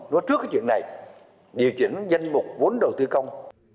nói trước cái chuyện này điều chuyển danh mục vốn đầu tư công